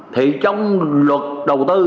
thì trong luật đầu tư